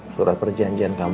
surat perjanjian kamu